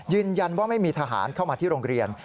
ยืนยันว่าไม่มีทหารเข้ามาที่โรงเรียน